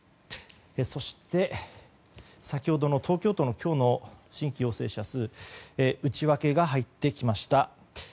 そして、先ほどの東京都の今日の新規陽性者数ですが内訳が入ってきました。